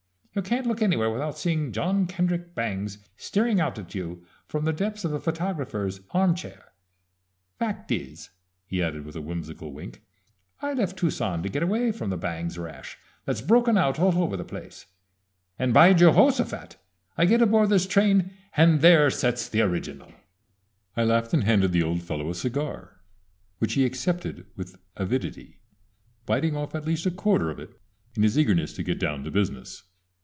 You can't look anywhere without seeing John Kendrick Bangs staring out at you from the depths of a photographer's arm chair. Fact is," he added with a whimsical wink, "I left Tucson to get away from the Bangs rash that's broken out all over the place, and, by Jehosaphat! I get aboard this train, and there sets the original!" I laughed and handed the old fellow a cigar, which he accepted with avidity, biting off at least a quarter of it in his eagerness to get down to business.